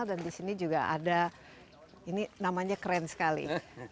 dan di sini juga ada ini namanya keren sekali